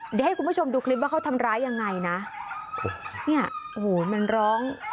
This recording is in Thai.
เดี๋ยวให้คุณผู้ชมดูคลิปว่าเขาทำร้ายยังไงนะเนี่ยโอ้โหมันร้อง